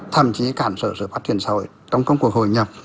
thậm chí cản trở sự phát triển xã hội trong công cuộc hội nhập